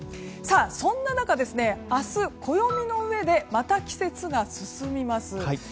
そんな中、明日、暦の上でまた季節が進みます。